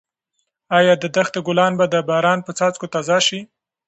ایا د دښتې ګلان به د باران په څاڅکو تازه شي؟